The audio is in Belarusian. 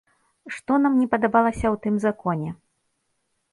Што нам не падабалася ў тым законе?